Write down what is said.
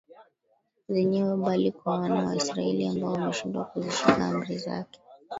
zenyewe bali kwa wana wa Israeli ambao wameshindwa kuzishika Amri zake